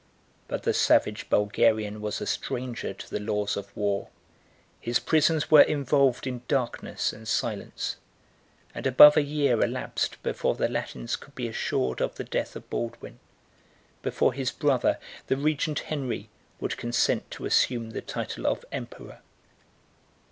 But the savage Bulgarian was a stranger to the laws of war: his prisons were involved in darkness and silence; and above a year elapsed before the Latins could be assured of the death of Baldwin, before his brother, the regent Henry, would consent to assume the title of emperor.